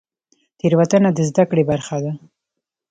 تیروتنه د زده کړې برخه ده